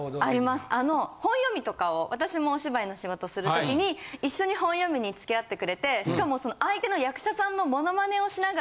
あの本読みとかを私もお芝居の仕事する時に一緒に本読みに付き合ってくれてしかも。